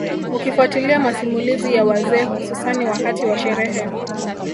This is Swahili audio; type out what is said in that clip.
Ukifuatilia masimulizi ya wazee hususani wakati wa sherehe